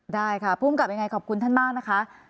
ได้ค่ะภูมิกับยังไงขอบคุณท่านมากนะคะ